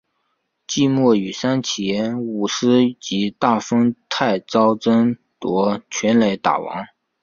季末与山崎武司及大丰泰昭争夺全垒打王。